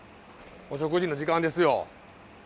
お食事の時間ですよ。